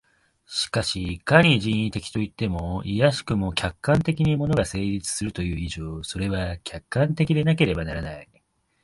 しかしいかに人為的といっても、いやしくも客観的に物が成立するという以上、それは客観的でなければならない。